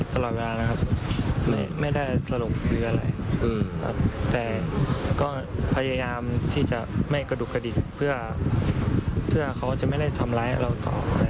แต่ก็พยายามที่จะไม่กระดูกกระดิ่งเพื่อเขาจะไม่ได้ทำร้ายเราต่อ